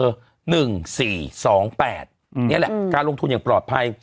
หนึ่งสี่สองแปดอืมเนี้ยแหละการลงทุนอย่างปลอดภัย